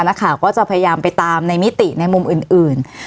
นักข่าวก็จะพยายามไปตามในมิติในมุมอื่น